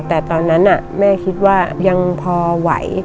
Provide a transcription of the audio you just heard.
แต่ตอนนั้นแม่คิดว่ายังพอไหว